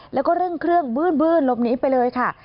แล้วก็เร่งเครื่องบื้นลบนี้ไปเลยค่ะ